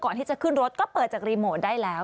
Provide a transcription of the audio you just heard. ก่อนที่จะขึ้นรถก็เปิดจากรีโมทได้แล้ว